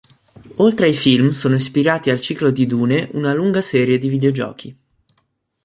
Oltre ai film sono ispirati al ciclo di Dune una lunga serie di videogiochi.